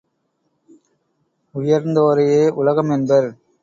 உயர்ந்தோரையே உலகம் என்பர்.